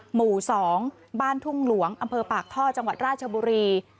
หมู่๒บ้านทุ่งหลวงอำเภอปากท่อจังหวัดราชบุรี